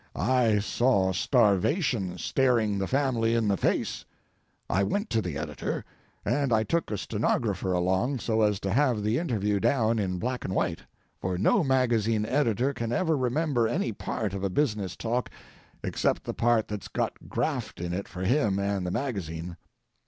I saw starvation staring the family in the face. I went to the editor, and I took a stenographer along so as to have the interview down in black and white, for no magazine editor can ever remember any part of a business talk except the part that's got graft in it for him and the magazine.